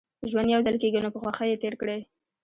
ژوند يوځل کېږي نو په خوښۍ يې تېر کړئ